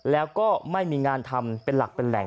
แล้วก็ไม่มีงานทำเป็นหลักเป็นแหล่ง